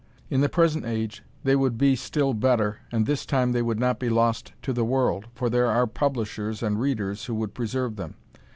In the present age, they would be still better, and this time they would not be lost to the world, for there are publishers and readers who would preserve them.